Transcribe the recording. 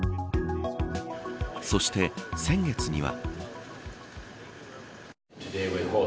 そして、先月には。